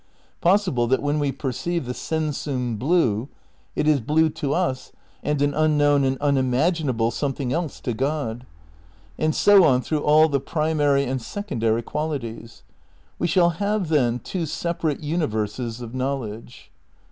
Possible that when we perceive the sensum blue it is blue to us and an unknown and unimaginable something else to God. And so on through all the primary and secondary qualities. We shall have then two separate universes of knowledge.